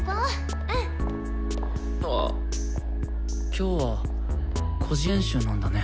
今日は個人練習なんだね。